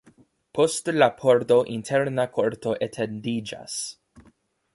Post la pordo interna korto etendiĝas.